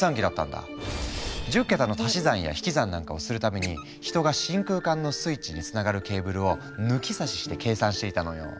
１０桁の足し算や引き算なんかをするために人が真空管のスイッチにつながるケーブルを抜き差しして計算していたのよ。